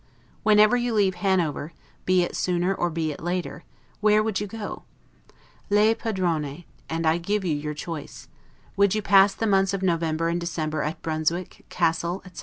Whenever you leave Hanover, be it sooner or be it later, where would you go? 'Lei Padrone', and I give you your choice: would you pass the months of November and December at Brunswick, Cassel, etc.?